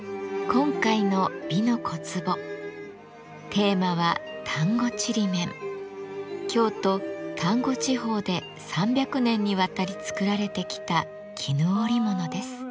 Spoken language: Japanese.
今回の「美の小壺」テーマは京都丹後地方で３００年にわたり作られてきた絹織物です。